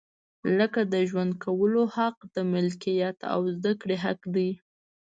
لکه د ژوند کولو حق، د ملکیت او زده کړې حق دی.